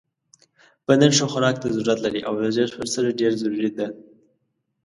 بدن ښه خوراک ته ضرورت لری او ورزش ورسره ډیر ضروری ده